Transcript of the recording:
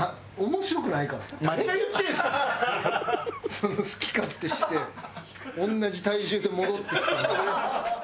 そんな好き勝手して同じ体重で戻ってきても。